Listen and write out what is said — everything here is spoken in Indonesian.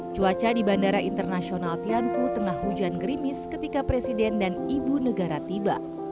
cuaca di bandara internasional tianfu tengah hujan gerimis ketika presiden dan ibu negara tiba